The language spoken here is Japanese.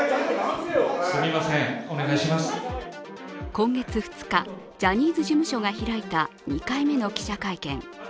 今月２日、ジャニーズ事務所が開いた２回目の記者会見。